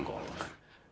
ke lapangan golf